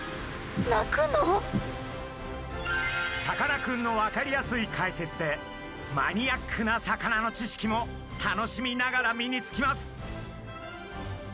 さかなクンの分かりやすい解説でマニアックな魚の知識も楽しみながら身につきます！